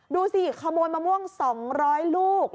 ดูสิขโมยมะม่วง๒๐๐ลูก